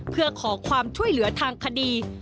เพื่อขอความช่วยเหลือทางคดี